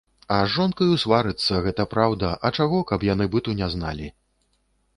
А з жонкаю сварыцца, гэта праўда, а чаго, каб яны быту не зналі.